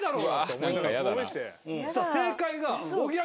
そしたら正解が。